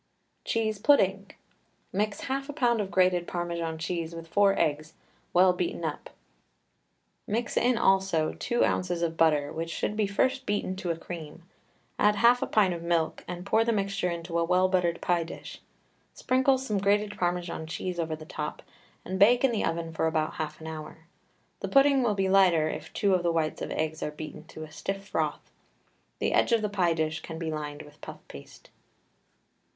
CHEESE PUDDING. Mix half a pound of grated Parmesan cheese with four eggs, well beaten up; mix in also two ounces of butter, which should be first beaten to a cream, add half a pint of milk and pour the mixture into a well buttered pie dish, sprinkle some grated Parmesan cheese over the top, and bake in the oven for about half an hour. The pudding will be lighter if two of the whites of eggs are beaten to a stiff froth. The edge of the pie dish can be lined with puff paste.